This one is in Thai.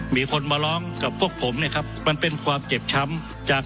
มีคนมาร้องกับพวกผมมันเป็นความเจ็บช้ำจาก